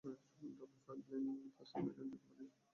তবে পাইপলাইন স্থাপনের ব্যয় দুই কোম্পানি সমান সমান অংশে বহন করবে।